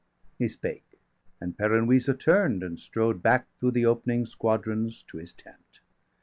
He spake: and Peran Wisa turn'd, and strode Back through the opening squadrons to his tent.